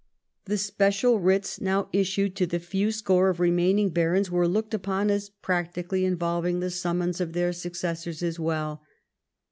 The special writs now issued to the few score of remaining barons were looked upon as practically involv ing the summons of their successors as well.